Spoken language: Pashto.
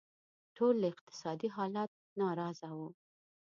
ټول له اقتصادي حالت ناراضه وو.